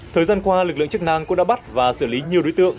thời gian qua lực lượng chức năng cũng đã bắt và xử lý nhiều đối tượng